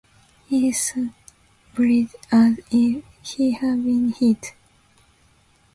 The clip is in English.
He stumbled as if he had been hit.